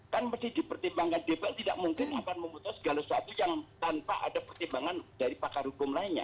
kan mesti dipertimbangkan dpr tidak mungkin akan memutus segala sesuatu yang tanpa ada pertimbangan dari pakar hukum lainnya